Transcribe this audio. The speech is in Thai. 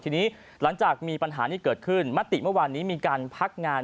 ทีนี้หลังจากมีปัญหานี้เกิดขึ้นมติเมื่อวานนี้มีการพักงาน